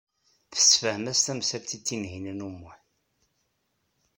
Tessefhem-as tamsalt i Tinhinan u Muḥ.